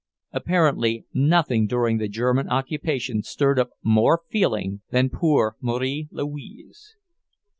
Apparently, nothing during the German occupation stirred up more feeling than poor Marie Louise."